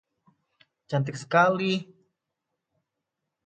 Cantik sekali!